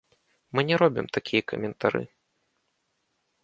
Мы не робім такія каментары.